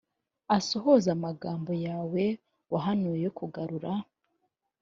asohoze amagambo yawe wahanuye yo kugarura